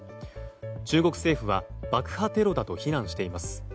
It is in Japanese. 中国政府は爆破テロだと非難しています。